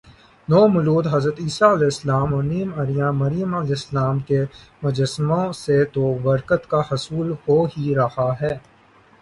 نومولود حضرت عیسی ؑ اور نیم عریاں مریم ؑ کے مجسموں سے تو برکت کا حصول ہو ہی رہا ہے